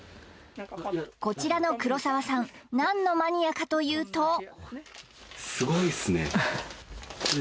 こちらの黒沢さん何のマニアかというとすごいっすね